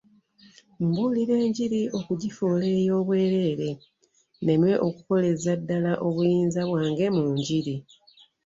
Mbuulira enjiri okugifuula ey'obwereere, nneme okukoleza ddala obuyinza bwange mu njiri.